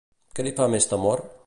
Què li fa més temor?